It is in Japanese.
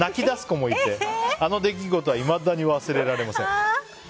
出す子もいてあの出来事はいまだに忘れられません。